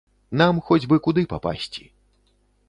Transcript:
Нам хоць бы куды папасці.